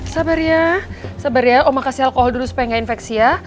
sabar ya sabar ya oma kasih alkohol dulu supaya gak infeksi ya